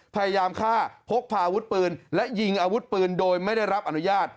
พยายามฆ่าพกพาอาวุธปืนและยิงอาวุธปืนโดยไม่ได้รับอนุญาต